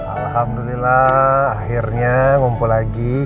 alhamdulillah akhirnya ngumpul lagi